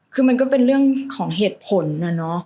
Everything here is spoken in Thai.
คือมันก็เป็นเรื่องของเหตุผลนะเนาะ